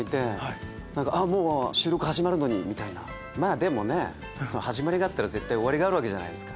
でもね始まりがあったら絶対終わりがあるわけじゃないですか。